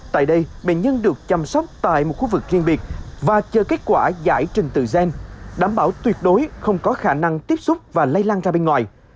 tại đây bệnh nhân được chăm sóc tại một khu vực riêng biệt và chờ kết quả giải trình tự gen đảm bảo tuyệt đối không có khả năng tiếp xúc và lây lan ra bên ngoài